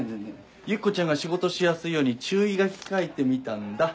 ユキコちゃんが仕事しやすいように注意書き書いてみたんだ。